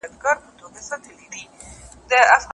ما که یادوې که هېروې ګیله به نه لرم